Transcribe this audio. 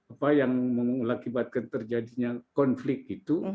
apa yang mengakibatkan terjadinya konflik itu